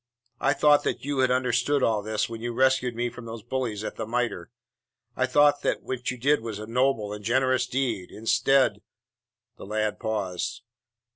I thought that you had understood all this when you rescued me from those bullies at The Mitre. I thought that what you did was a noble and generous deed. Instead " The lad paused.